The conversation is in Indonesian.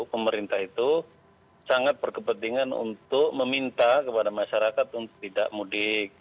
pemerintah itu sangat berkepentingan untuk meminta kepada masyarakat untuk tidak mudik